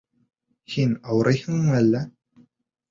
Һин ауырыйһыңмы әллә?